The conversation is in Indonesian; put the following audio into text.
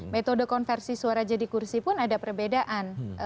metode konversi suara jadi kursi pun ada perbedaan